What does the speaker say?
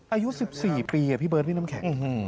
อายุ๑๔ปีพี่เบิร์ดพี่น้ำแข็ง